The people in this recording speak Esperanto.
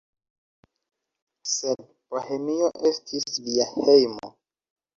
Sed Bohemio estis lia hejmo.